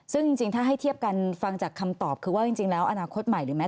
ซึ่งถ้าให้เทียบกันฟังจากคำตอบคือว่าอาณาคตใหม่หรือไม่